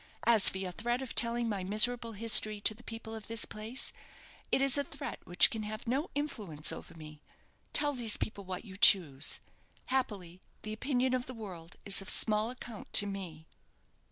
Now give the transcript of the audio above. "As for your threat of telling my miserable history to the people of this place, it is a threat which can have no influence over me. Tell these people what you choose. Happily, the opinion of the world is of small account to me."